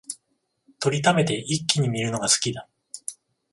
録りためて一気に観るのが好きだ